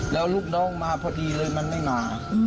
แล้วลูกน้องมาพอดีเลยมันไม่หนา